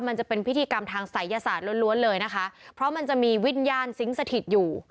มันจะเป็นพิธีกรรมทางศัยศาสตร์ล้วนเลยนะคะเพราะมันจะมีวิญญาณสิงสถิตอยู่